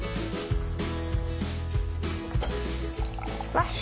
よし。